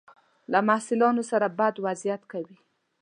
له محصلانو سره بد وضعیت کوي.